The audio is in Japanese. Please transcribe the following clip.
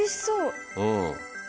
うん。